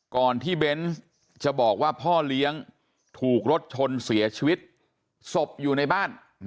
ก่อนที่เบนส์จะบอกว่าพ่อเลี้ยงถูกรถชนเสียชีวิตศพอยู่ในบ้าน